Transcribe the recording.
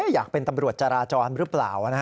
อยากเป็นตำรวจจราจรหรือเปล่า